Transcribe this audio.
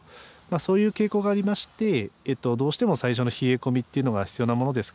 そういう傾向がありましてどうしても最初の冷え込みっていうのが必要なものですから。